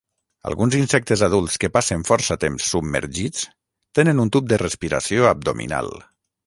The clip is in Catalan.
Alguns insectes adults que passen força temps submergits tenen un tub de respiració abdominal.